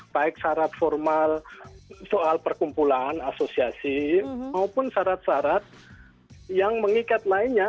baik syarat formal soal perkumpulan asosiasi maupun syarat syarat yang mengikat lainnya